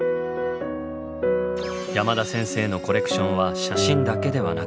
山田先生のコレクションは写真だけではなく。